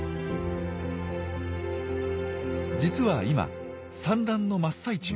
実は今産卵の真っ最中。